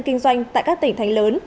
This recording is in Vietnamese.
kinh doanh tại các tỉnh thành lớn